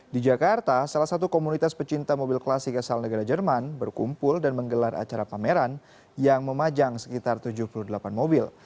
di jakarta salah satu komunitas pecinta mobil klasik asal negara jerman berkumpul dan menggelar acara pameran yang memajang sekitar tujuh puluh delapan mobil